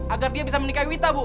agar dia bisa menikahi wita bu